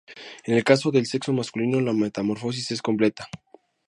En el caso del sexo masculino, la metamorfosis es completa.